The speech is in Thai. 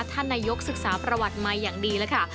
ท่านหนาโยคศึกษาประวัติไหมอย่างดีล่ะคะ